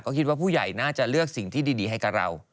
ก็คิดว่าผู้ใหญ่น่าจะเลือกสิ่งที่ดีให้กับเรา